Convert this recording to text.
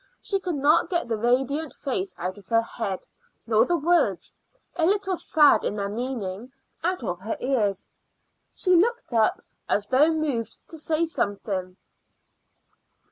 She could not get the radiant face out of her head, nor the words, a little sad in their meaning, out of her ears. She looked up as though moved to say something.